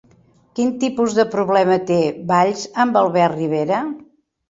Quin tipus de problema té Valls amb Albert Ribera?